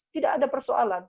tidak ada persoalan